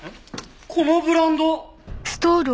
このブランド。